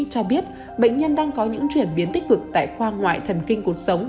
cho biết bệnh nhân đang có những chuyển biến tích cực tại khoa ngoại thần kinh cuộc sống